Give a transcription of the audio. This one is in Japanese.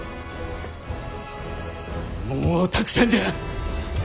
もうたくさんじゃ。